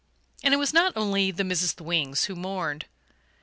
And it was not only the Mrs. Thwings who mourned.